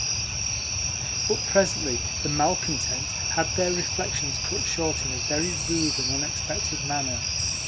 But presently the malcontents had their reflections cut short in a very rude and unexpected manner.